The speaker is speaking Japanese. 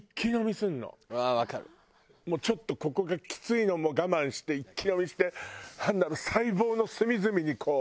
ちょっとここがきついのも我慢して一気飲みしてなんだろう細胞の隅々にこう。